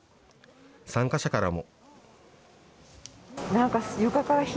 参加者からも。